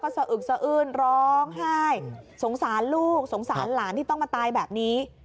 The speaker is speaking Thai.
สะอึกสะอื้นร้องไห้สงสารลูกสงสารหลานที่ต้องมาตายแบบนี้